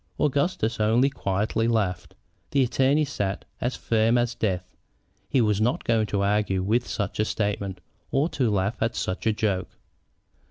Augustus only quietly laughed. The attorney sat as firm as death. He was not going to argue with such a statement or to laugh at such a joke.